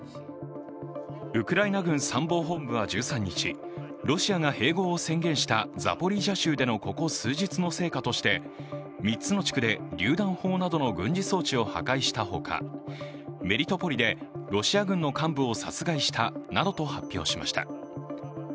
ウクライナ軍参謀本部は１３日、ロシアが併合を宣言したザポリージャ州でのここ数日の成果として３つの地区で、りゅう弾砲などの軍事装置を破壊したほか、メリトポリでロシア軍の幹部を殺害したなどと発表しました。